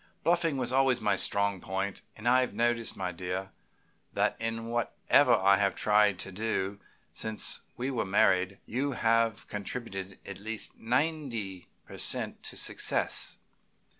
Bluffing was always my strong point, and I have noticed, my dear, that in whatever I have tried to do since we were married you have contributed at least ninety per cent. to success.